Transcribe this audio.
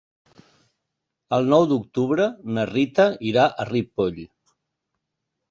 El nou d'octubre na Rita irà a Ripoll.